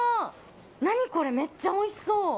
何これ、めっちゃおいしそう。